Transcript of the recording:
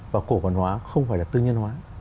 và cổ quản hóa không phải là tư nhân hóa